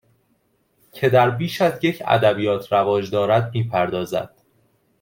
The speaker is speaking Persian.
که در بیش از یک ادبیات رواج دارد می پردازد